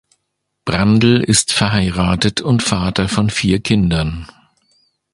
Brandl ist verheiratet und Vater von vier Kindern.